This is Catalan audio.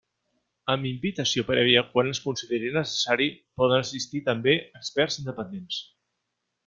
Amb invitació prèvia, quan es considere necessari, poden assistir també experts independents.